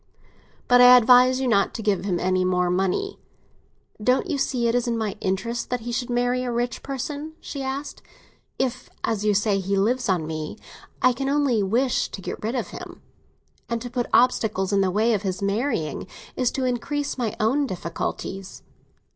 But I advise you not to give him any more money." "Don't you see it is in my interest that he should marry a rich person?" she asked. "If, as you say, he lives on me, I can only wish to get rid of him, and to put obstacles in the way of his marrying is to increase my own difficulties."